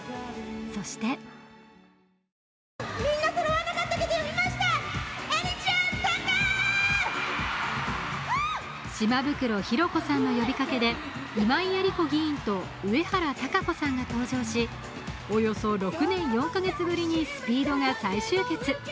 そして島袋寛子さんの呼びかけで今井絵理子議員と上原多香子さんが登場しおよそ６年４か月ぶりにＳＰＥＥＤが再集結。